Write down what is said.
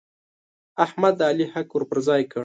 احمد د علي حق ور پر ځای کړ.